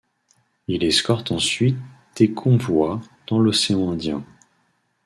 Il escorte ensuite des convois dans l'océan Indien.